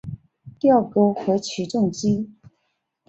吊钩或起重机。